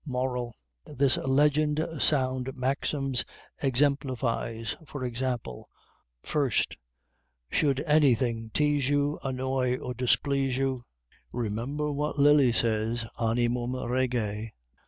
MORAL This Legend sound maxims exemplifies e.g. 1_mo._ Should anything tease you, Annoy, or displease you, Remember what Lilly says, "_Animum rege!